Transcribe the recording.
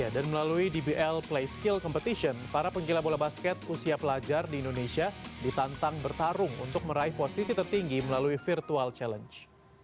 dan melalui dbl playskill competition para penggila bola basket usia pelajar di indonesia ditantang bertarung untuk meraih posisi tertinggi melalui virtual challenge